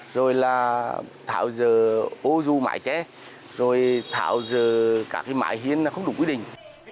rồi là thảo dự ô dù mãi ché rồi thảo dự cả khi mãi hiên là không đủ quy định